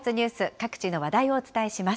各地の話題をお伝えします。